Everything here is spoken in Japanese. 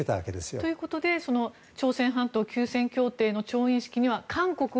ということで朝鮮半島休戦協定の調印式には韓国は。